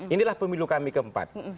inilah pemilu kami keempat